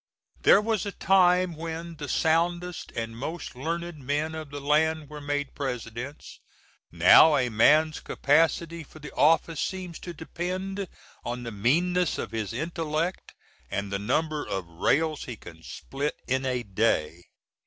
There was a time when the soundest and most learned men of the land were made Presidents, now a man's capacity for the office seems to depend on the meanness of his intellect & the number of rails he can split in a day.